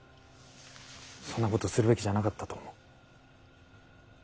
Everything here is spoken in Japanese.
そんなことするべきじゃなかったと思う。